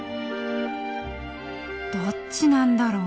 どっちなんだろう。